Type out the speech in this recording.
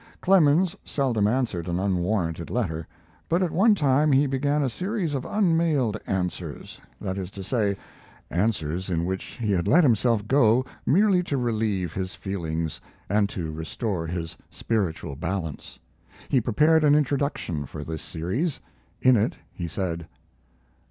Clemens seldom answered an unwarranted letter; but at one time he began a series of unmailed answers that is to say, answers in which he had let himself go merely to relieve his feelings and to restore his spiritual balance. He prepared an introduction for this series. In it he said